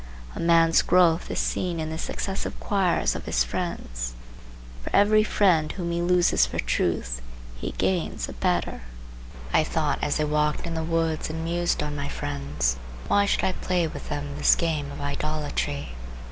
A man's growth is seen in the successive choirs of his friends. For every friend whom he loses for truth, he gains a better. I thought as I walked in the woods and mused on my friends, why should I play with them this game of idolatry?